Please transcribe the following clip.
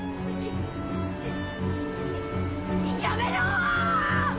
やめろー！